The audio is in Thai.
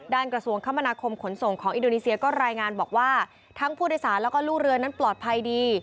กระทรวงคมนาคมขนส่งของอินโดนีเซียก็รายงานบอกว่าทั้งผู้โดยสารแล้วก็ลูกเรือนั้นปลอดภัยดี